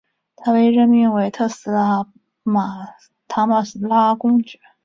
他被任命为特拉斯塔马拉公爵。